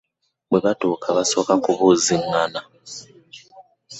bwe batuuka basooka kubuuzigana.